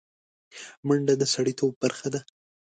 منډه د سړيتوب برخه ده